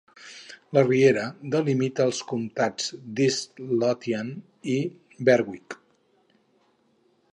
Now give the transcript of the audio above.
La riera delimita els comtats d'East Lothian i Berwick.